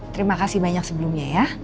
terima kasih banyak sebelumnya ya